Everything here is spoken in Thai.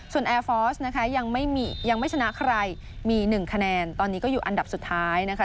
ส่วนแอร์ฟอร์สนะคะยังไม่ชนะใครมี๑คะแนนตอนนี้ก็อยู่อันดับสุดท้ายนะคะ